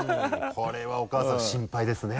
これはお母さん心配ですね。